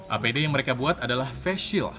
apd yang mereka buat adalah face shield